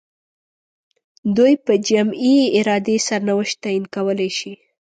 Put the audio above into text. دوی په جمعي ارادې سرنوشت تعیین کولای شي.